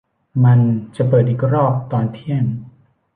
มันจะเปิดอีกรอบตอนเที่ยง